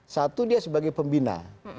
satu dia sebagai pembina